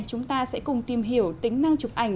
chúng ta sẽ cùng tìm hiểu tính năng chụp ảnh